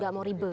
nggak mau ribet